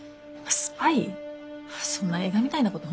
そんな映画みたいなこと